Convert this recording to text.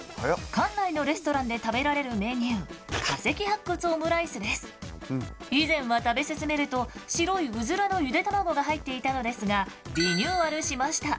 館内のレストランで食べられるメニュー以前は食べ進めると白いうずらのゆで卵が入っていたのですがリニューアルしました。